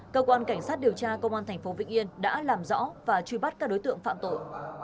cơ quan cảnh sát điều tra công an tp vĩnh yên đã làm rõ và truy bắt các đối tượng phạm tội